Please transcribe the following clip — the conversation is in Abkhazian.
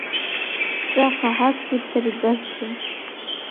Ҵәахаҳак сыбҭар, ибасҳәап!